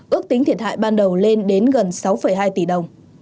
ước tính thiệt hại ban đầu lên đến gần sáu hai tỷ đồng